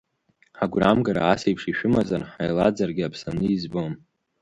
Ҳагәрамгара асеиԥш ишәымазар ҳаилаӡарагьы аԥсаны избом!